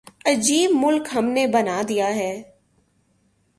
عجیب ملک ہم نے بنا دیا ہے۔